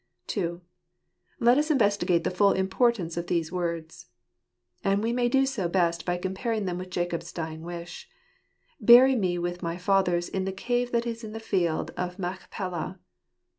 II. Let us Investigate the full Importance of these Words. And we may do so best by comparing them with Jacob's dying wish : "Bury me with my fathers in the cave that is in the field of Machpelah."